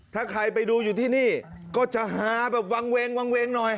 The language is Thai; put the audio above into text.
ถ้าใครไปดูอยู่ที่นี่ก็จะฮาแบบวางเวงวางเวงหน่อย